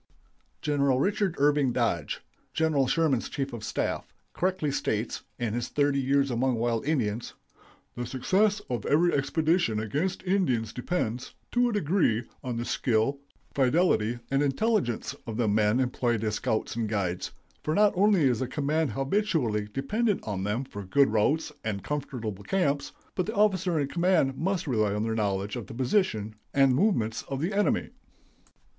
Gen. Richard Irving Dodge, General Sherman's chief of staff, correctly states, in his "Thirty Years Among Our Wild Indians": "The success of every expedition against Indians depends, to a degree, on the skill, fidelity, and intelligence of the men employed as scouts and guides, for not only is the command habitually dependent on them for good routes and comfortable camps, but the officer in command must rely on their knowledge of the position and movements of the enemy."